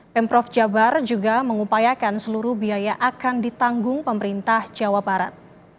pemprov jabar juga mengupayakan seluruh biaya akan ditanggung pemerintah jawa barat